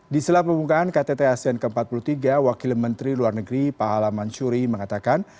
di sela pembukaan ktt asean ke empat puluh tiga wakil menteri luar negeri pak halaman syuri mengatakan